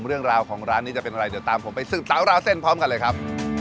เรื่องราวของร้านนี้จะเป็นอะไรเดี๋ยวตามผมไปสืบสาวราวเส้นพร้อมกันเลยครับ